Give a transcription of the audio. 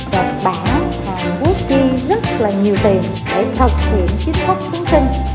đặc bản hàn quốc đi rất là nhiều tiền để thực hiện chiếc khóc chúng sinh